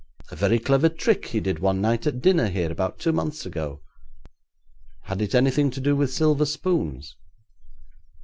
'A very clever trick he did one night at dinner here about two months ago.' 'Had it anything to do with silver spoons?'